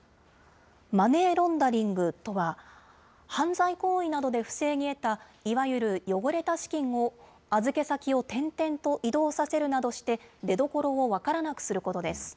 マネーロンダリングとは、犯罪行為などで不正に得た、いわゆる汚れた資金を、預け先を転々と移動させるなどして、出どころを分からなくすることです。